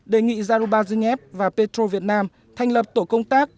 đề nghị zarubazhnev và petro việt nam thành lập tổ công tác